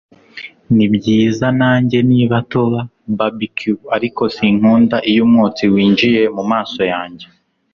Nibyiza nanjye niba tuba barbecue ariko sinkunda iyo umwotsi winjiye mumaso yanjye